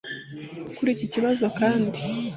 Kuri iki kibazo kandi